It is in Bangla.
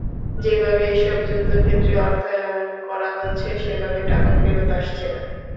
যেভাবে এসব যুদ্ধক্ষেত্রে অর্থায়ন করা হচ্ছে, সেভাবে টাকা ফেরত আসছে না।